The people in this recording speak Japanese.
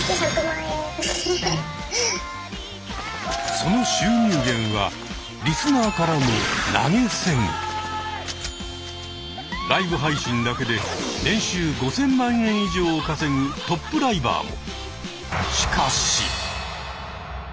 その収入源はリスナーからのライブ配信だけで年収５，０００万円以上を稼ぐトップライバーも！